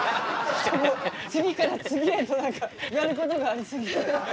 次から次へと何かやることがありすぎて。